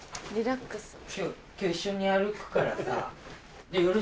今日一緒に歩くからさ。